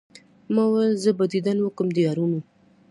ما ول زه به ديدن وکم د يارانو